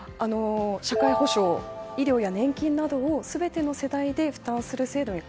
社会保障、医療や年金などを全ての世代で負担する制度に